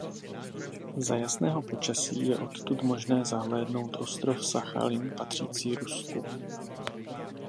Za jasného počasí je odtud možné zahlédnout ostrov Sachalin patřící Rusku.